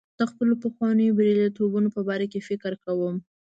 د خپلو پخوانیو بریالیتوبونو په باره کې فکر کوم.